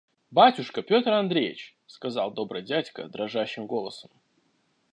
– Батюшка Петр Андреич! – сказал добрый дядька дрожащим голосом.